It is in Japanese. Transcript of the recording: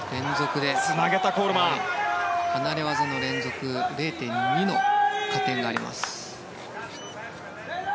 離れ技の連続０．２の加点があります。